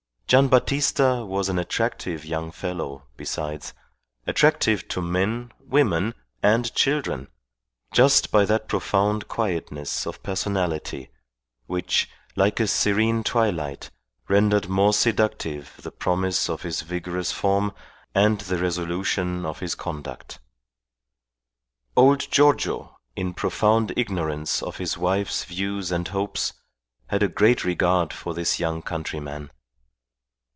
Gian' Battista was an attractive young fellow, besides; attractive to men, women, and children, just by that profound quietness of personality which, like a serene twilight, rendered more seductive the promise of his vigorous form and the resolution of his conduct. Old Giorgio, in profound ignorance of his wife's views and hopes, had a great regard for his young countryman.